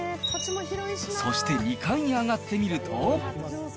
そして２階に上がってみると。